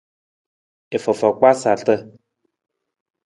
I fofo kpaa sarata.